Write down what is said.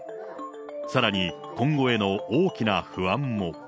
さらに今後への大きな不安も。